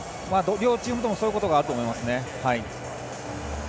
両チームともそういうことがあると思いますね。